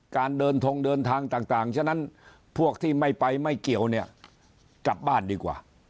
การเดินทงเดินทางต่างฉะนั้นพวกที่ไม่ไปไม่เกี่ยวเนี่ยกลับบ้านดีกว่า